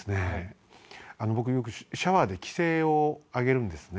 ・僕よくシャワーで奇声を上げるんですね。